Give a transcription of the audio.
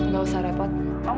gak usah repot